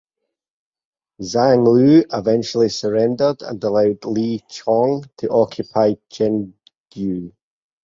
Zhang Luo eventually surrendered and allowed Li Xiong to occupy Chengdu.